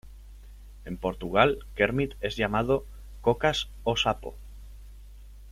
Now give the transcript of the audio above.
En Portugal, Kermit es llamado "Cocas o Sapo".